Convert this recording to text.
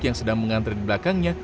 yang sedang mengantre di belakangnya